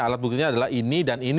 alat buktinya adalah ini dan ini